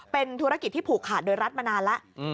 เป็นธุรกิจที่ผูกขาดโดยรัฐมานานแล้ว